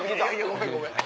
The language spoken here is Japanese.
ごめんごめん。